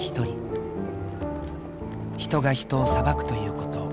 人が人を裁くということ。